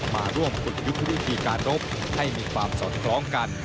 มาร่วมฝึกยุทธวิธีการรบให้มีความสอดคล้องกัน